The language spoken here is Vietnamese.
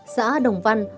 xã đồng văn